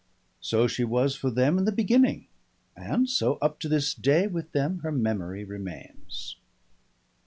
So she was for them in the beginning, and so up to this day with them her memory remains.